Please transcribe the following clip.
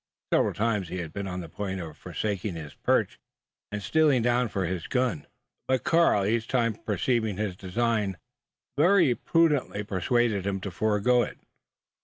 Several times had he been on the point of forsaking his perch, and stealing down for his gun; but Karl, each time perceiving his design, very prudently persuaded him to forego it.